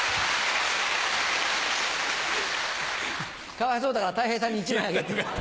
かわいそうだからたい平さんに１枚あげて。